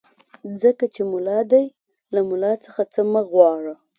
ځکه چې ملا دی له ملا څخه څه مه غواړه.